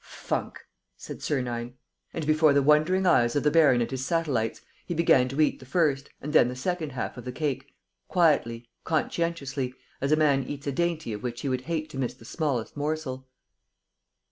"Funk!" said Sernine. And, before the wondering eyes of the baron and his satellites, he began to eat the first and then the second half of the cake, quietly, conscientiously, as a man eats a dainty of which he would hate to miss the smallest morsel.